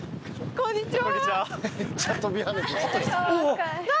こんにちは。